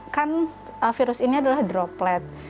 kan virus ini adalah droplet